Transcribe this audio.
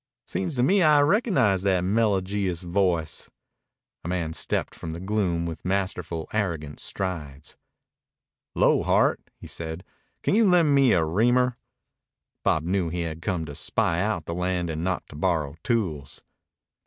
"Seems to me I recognize that melojious voice." A man stepped from the gloom with masterful, arrogant strides. "'Lo, Hart," he said. "Can you lend me a reamer?" Bob knew he had come to spy out the land and not to borrow tools.